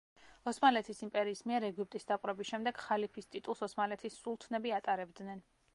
ოსმალეთის იმპერიის მიერ ეგვიპტის დაპყრობის შემდეგ ხალიფის ტიტულს ოსმალეთის სულთნები ატარებდნენ.